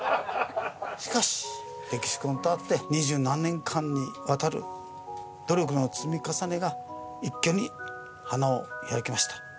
しかしレキシ君と会って二十何年間にわたる努力の積み重ねが一挙に花開きました。